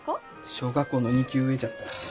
小学校の２級上じゃった。